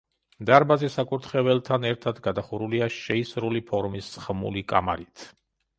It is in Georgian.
დარბაზი საკურთხეველთან ერთად გადახურულია შეისრული ფორმის სხმული კამარით.